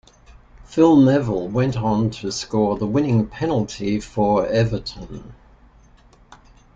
Phil Neville went on to score the winning penalty for Everton.